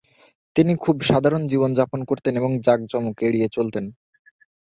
তিনি খুব সাধারণ জীবনযাপন করতেন এবং জাঁকজমক এড়িয়ে চলতেন।